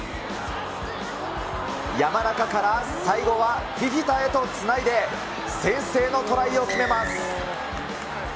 山中から最後はフィフィタへとつないで、先制のトライを決めます。